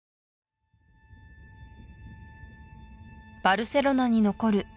バルセロナにのこる